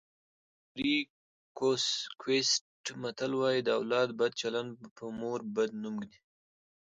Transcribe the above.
د ایوُري کوسټ متل وایي د اولاد بد چلند په مور بد نوم ږدي.